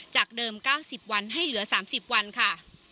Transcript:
จากเดิม๙๐วันให้เหลือ๓๐วันค่ะ